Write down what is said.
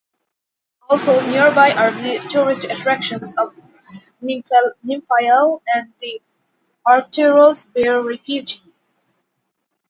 Also, nearby are the tourist attractions of Nymfaio and the Arcturos bear refuge.